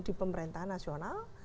di pemerintahan nasional